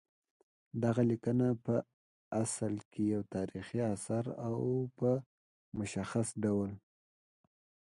دغه لیکنه پع اصل کې یو تاریخي اثر او په مشخص ډول